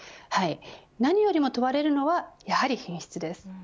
何よりも問われるのはやはり品質です。